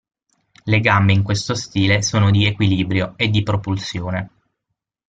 Le gambe in questo stile sono di "equilibrio" e di propulsione.